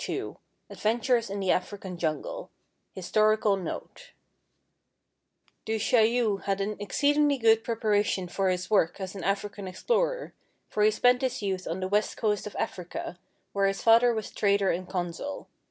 "_ II ADVENTURES IN THE AFRICAN JUNGLE HISTORICAL NOTE Du Chaillu had an exceedingly good preparation for his work as an African explorer, for he spent his youth on the West Coast of Africa, where his father was trader and consul.